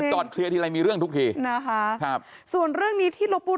จอดเคลียร์ที่ไรมีเรื่องทุกที